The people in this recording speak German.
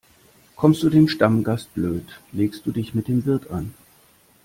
Kommst du dem Stammgast blöd, legst du dich mit dem Wirt an.